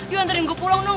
yuk anterin gue pulang dong